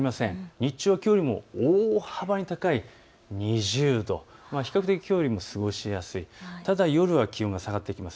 日中はきょうよりも大幅に高い２０度、比較的きょうよりも過ごしやすい、ただ夜は気温が下がってきます。